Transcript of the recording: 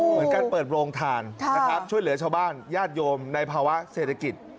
เหมือนการเปิดโรงทานนะครับช่วยเหลือชาวบ้านญาติโยมในภาวะเศรษฐกิจ